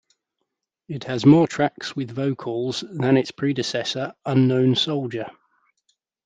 'It has more tracks with vocals than its predecessor, "Unknown Soldier".